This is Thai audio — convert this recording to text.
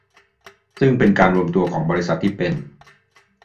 ซึ่งเป็นการรวมตัวกันของบริษัทที่เป็น